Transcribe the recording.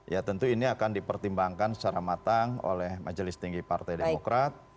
ya tentu ini akan dipertimbangkan secara matang oleh majelis tinggi partai demokrat